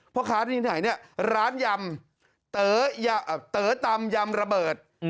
พ่อค้าที่ไหนเนี่ยร้านยำเต๋อตำยำระเบิด